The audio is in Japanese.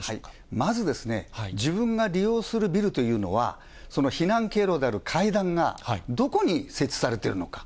まず、自分が利用するビルというのは、避難経路である階段がどこに設置されているのか。